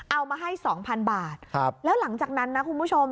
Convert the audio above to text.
เอามาให้สองพันบาทแล้วหลังจากนั้นนะคุณผู้ชม